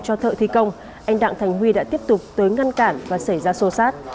cho thợ thi công anh đặng thành huy đã tiếp tục tới ngăn cản và xảy ra sô sát